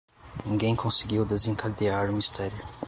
Ninguém conseguiu desencadear o mistério.